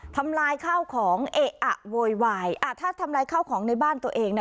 ทำลายข้าวของเอะอะโวยวายอ่าถ้าทำลายข้าวของในบ้านตัวเองน่ะ